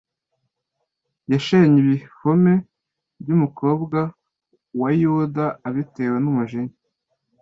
Yashenye ibihome by’umukobwa wa Yuda abitewe n’umujinya,